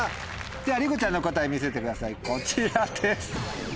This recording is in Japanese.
りこちゃんの答え見せてくださいこちらです。